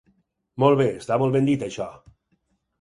Molt bé! Està molt ben dit, això!